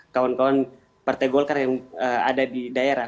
kawan kawan partai golkar yang ada di daerah